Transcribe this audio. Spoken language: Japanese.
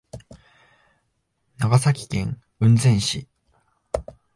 長崎県雲仙市